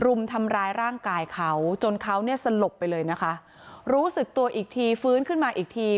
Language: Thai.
รุมทำร้ายร่างกายเขาจนเขาเนี่ยสลบไปเลยนะคะรู้สึกตัวอีกทีฟื้นขึ้นมาอีกที